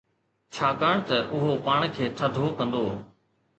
ڇاڪاڻ ته اهو پاڻ کي ٿڌو ڪندو.